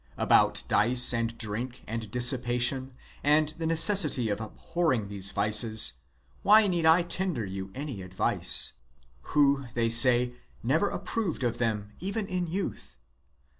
About dice and drink and dissipation and the necessity of abhorring these vices, why need I B tender you any advice, who, they say, never approved of them even in youth.